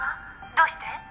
どうして？」